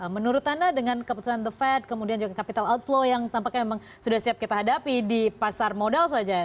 menurut anda dengan keputusan the fed kemudian juga capital outflow yang tampaknya memang sudah siap kita hadapi di pasar modal saja